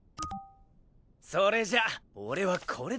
それじゃ俺はこれだ。